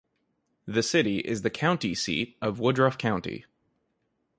The city is the county seat of Woodruff County.